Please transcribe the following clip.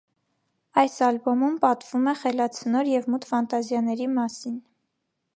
Այս ալբոմում պատվում է խելացնոր և մութ ֆանտազիաների մասին։